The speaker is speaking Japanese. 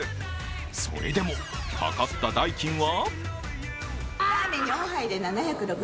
それでも、かかった代金は？